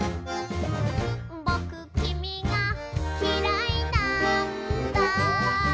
「ぼくきみがきらいなんだ」